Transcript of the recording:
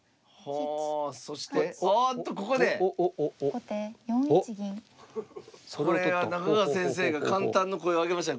これは中川先生が感嘆の声を上げましたね。